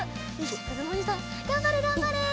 かずむおにいさんがんばれがんばれ！